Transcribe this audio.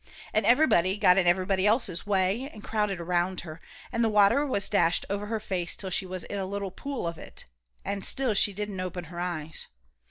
And everybody got in everybody else's way, and crowded around her, and the water was dashed over her face till she was in a little pool of it, and still she didn't open her eyes.